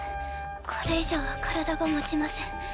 これ以上は体が持ちません。